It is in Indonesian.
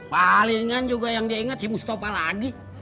palingan juga yang dia ingat si mustafa lagi